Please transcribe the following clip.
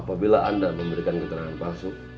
apabila anda memberikan keterangan palsu